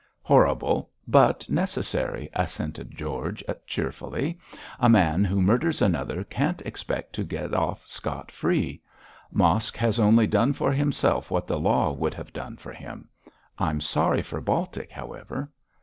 'Horrible, but necessary,' assented George, cheerfully; 'a man who murders another can't expect to get off scot free. Mosk has only done for himself what the law would have done for him. I'm sorry for Baltic, however.'